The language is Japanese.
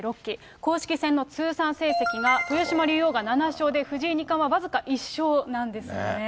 公式戦の通算成績が豊島竜王が７勝で藤井二冠は僅か１勝なんですよね。